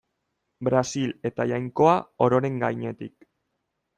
Brasil eta Jainkoa ororen gainetik.